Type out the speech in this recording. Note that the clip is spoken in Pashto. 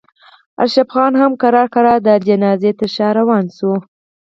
اشرف خان هم ورو ورو د جنازې تر شا روان شو.